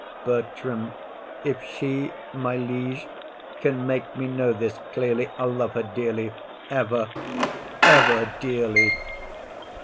BERTRAM. If she, my liege, can make me know this clearly, I'll love her dearly, ever, ever dearly.